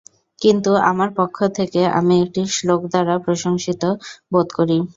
কিন্তু, আমার পক্ষ থেকে, আমি একটি শ্লোক দ্বারা প্রশংসিত বোধ করি।